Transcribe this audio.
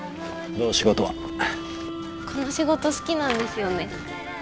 この仕事好きなんですよね。